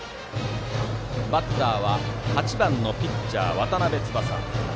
バッターは８番のピッチャー、渡邉翼。